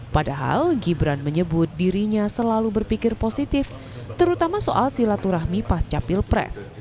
padahal gibran menyebut dirinya selalu berpikir positif terutama soal silaturahmi pasca pilpres